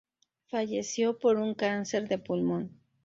Falleció por un cáncer de pulmón.